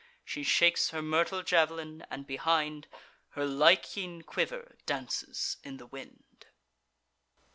She shakes her myrtle jav'lin; and, behind, Her Lycian quiver dances in the wind.